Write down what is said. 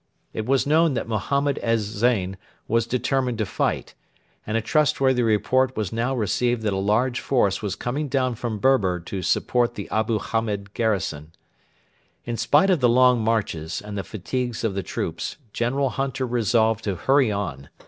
It was known that Mohammed ez Zein was determined to fight, and a trustworthy report was now received that a large force was coming down from Berber to support the Abu Hamed garrison. In spite of the long marches and the fatigues of the troops, General Hunter resolved to hurry on.